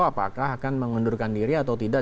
apakah akan mengundurkan diri atau tidak